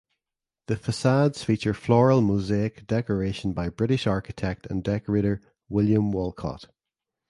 The facades feature floral mosaic decoration by the British architect and decorator William Walcot.